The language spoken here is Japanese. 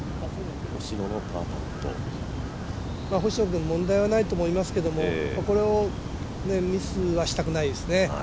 星野君、問題はないと思いますがこれをミスはしたくないですね。